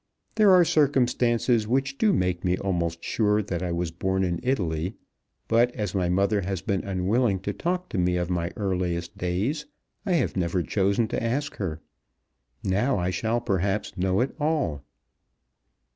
There are circumstances which do make me almost sure that I was born in Italy; but as my mother has been unwilling to talk to me of my earliest days, I have never chosen to ask her. Now I shall perhaps know it all."